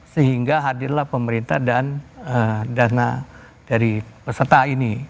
sehingga hadirlah pemerintah dan dana dari peserta ini